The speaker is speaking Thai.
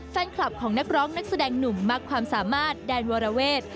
แฟนคลับของนักร้องนักแสดงหนุ่มมากความสามารถแดนวรเวท